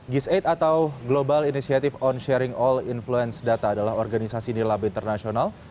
gisaid atau global initiative on sharing all influence data adalah organisasi nilab internasional